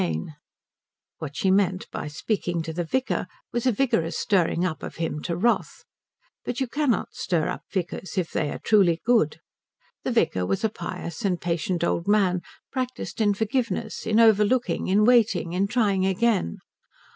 XI What she meant by speaking to the vicar was a vigorous stirring of him up to wrath; but you cannot stir up vicars if they are truly good. The vicar was a pious and patient old man, practiced in forgiveness, in overlooking, in waiting, in trying again.